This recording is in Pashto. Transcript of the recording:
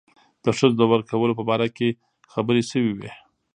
د ښځو د ورکولو په باره کې خبرې شوې وې.